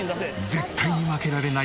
絶対に負けられない